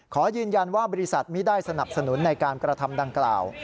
ขอยืนยันว่าบริษัทไม่ได้สนับสนุนในการกระทำดังกล่าว